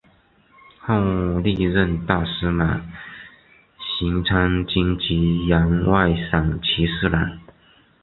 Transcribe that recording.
后历任大司马行参军及员外散骑侍郎。